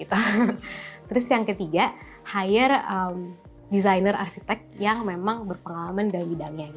terus yang ketiga hire designer arsitek yang memang berpengalaman dalam bidangnya